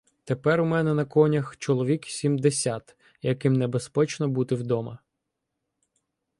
Тепер у мене на конях чоловік сімдесят, яким небезпечно бути вдома.